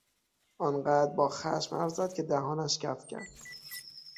آنقدر با خشم حرف زد که دهانش کف کرد.